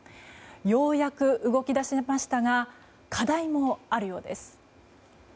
ようやく動き出しましたが課題もあるようです。